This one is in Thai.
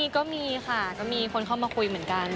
ก็มีค่ะก็มีคนเข้ามาคุยเหมือนกัน